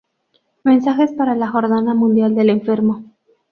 Mensajes para la Jornada Mundial del Enfermo